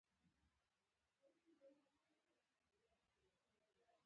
مایکروسافټ د ونډوز لپاره خپل وړیا امنیتي ملاتړ پای ته ورسوي